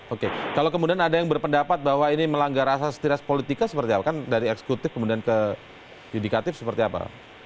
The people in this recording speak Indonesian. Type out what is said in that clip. oke kalau kemudian ada yang berpendapat bahwa ini melanggar asas politika seperti apa kan dari eksekutif kemudian ke yudikatif seperti apa